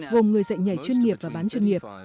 gồm người dạy nhảy chuyên nghiệp và bán chuyên nghiệp